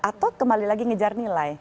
atau kembali lagi ngejar nilai